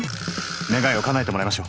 願いをかなえてもらいましょ。